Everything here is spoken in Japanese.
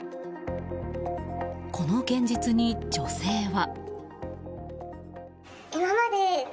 この現実に女性は。